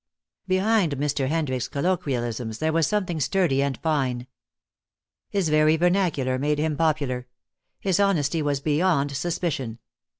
Behind Mr. Hendricks' colloquialisms there was something sturdy and fine. His very vernacular made him popular; his honesty was beyond suspicion.